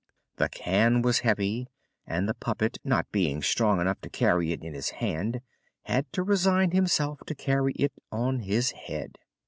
The can was heavy and the puppet, not being strong enough to carry it in his hand, had to resign himself to carry it on his head.